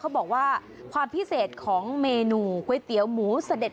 เขาบอกว่าความพิเศษของเมนูก๋วยเตี๋ยวหมูเสด็จ